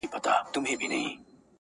راسه قاسم یاره نن یو څه شراب زاړه لرم,